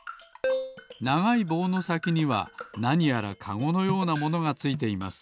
ながいぼうのさきにはなにやらカゴのようなものがついています。